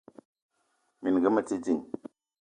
Minga mete ding.